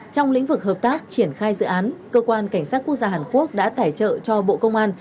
trong lĩnh vực hợp tác triển khai dự án cơ quan cảnh sát quốc gia hàn quốc đã tài trợ cho bộ công an